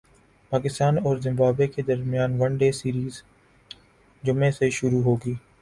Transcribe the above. پاکستان اور زمبابوے کے درمیان ون ڈے سیریز جمعہ سے شروع ہوگی